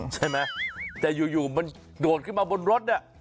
ใช่ไหมแต่อยู่มันโดดขึ้นมาบนรถเนี่ย